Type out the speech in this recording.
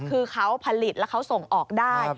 คือเขาผลิตแล้วเขาส่งออกได้